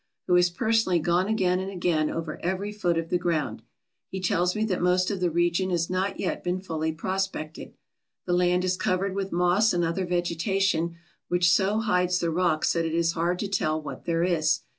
who has personally gone again and again over every foot of the ground. He tells me that most of the region has not yet been fully prospected. The land is covered with moss and other vegetation which so hides the rocks that it is hard to tell what there is.